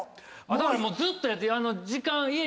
だからずっとやって。